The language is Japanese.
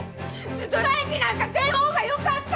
ストライキなんかせん方がよかったわ！